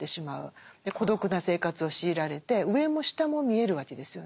孤独な生活を強いられて上も下も見えるわけですよね。